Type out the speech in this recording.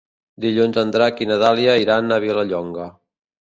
Dilluns en Drac i na Dàlia iran a Vilallonga.